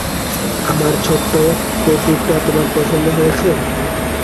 আমার ছোট্ট কৌতুকটা তোমার পছন্দ হয়েছে?